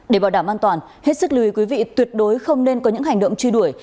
để bảo đảm an toàn hết sức lưu ý quý vị tuyệt đối không nên có những hành động truy đuổi